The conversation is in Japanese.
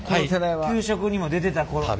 給食にも出てた頃でね。